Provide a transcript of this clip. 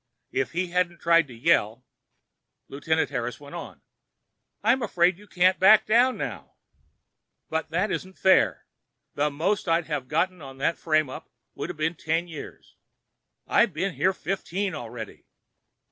If he hadn't tried to yell— Lieutenant Harris went on: "I'm afraid you can't back down now." "But it isn't fair! The most I'd have got on that frame up would've been ten years. I've been here fifteen already!"